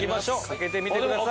かけてみてください。